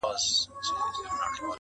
زه دي پلار یم نصیحت مکوه ماته،